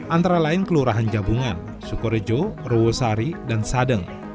antara lain kelurahan jabungan sukorejo ruwosari dan sadeng